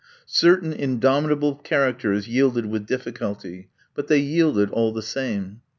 Certain indomitable characters yielded with difficulty, but they yielded all the same.